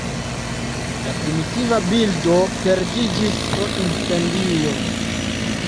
La primitiva bildo perdiĝis pro incendio.